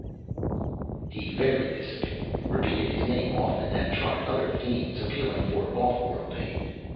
He varied this a bit, repeated his name often, and tried other themes appealing for off world aid.